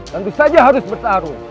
tentu saja harus bertarung